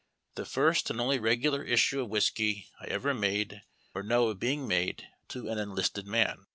" the first and only regular issue of whiskey I ever made or know of being made to an enlisted man."